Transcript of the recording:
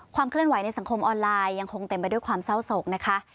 เคลื่อนไหวในสังคมออนไลน์ยังคงเต็มไปด้วยความเศร้าโศกนะคะ